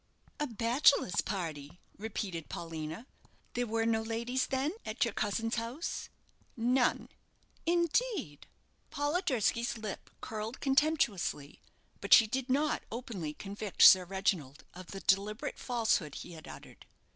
"A bachelors' party!" repeated Paulina; "there were no ladies, then, at your cousin's house?" "None." "Indeed!" Paulina Durski's lip curled contemptuously, but she did not openly convict Sir Reginald of the deliberate falsehood he had uttered.